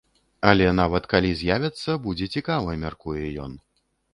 Але нават калі з'явяцца, будзе цікава, мяркуе ён.